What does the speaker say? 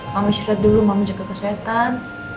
mama istirahat dulu mama jaga kesehatan